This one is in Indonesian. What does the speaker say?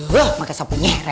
loh makasih aku punya re